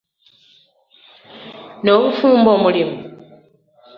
N'obufumbo mulimu?